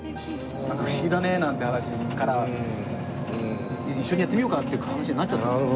「不思議だね」なんて話から「一緒にやってみようか」っていう話になっちゃったんですよ。